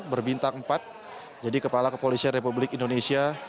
berbintang empat jadi kepala kepolisian republik indonesia